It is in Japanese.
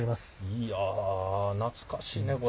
いや懐かしいねこれ。